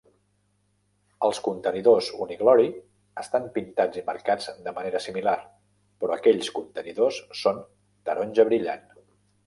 Els contenidors Uniglory estan pintats i marcats de manera similar, però aquells contenidors són taronja brillant.